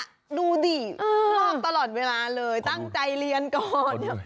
ดูดิชอบตลอดเวลาเลยตั้งใจเรียนก่อน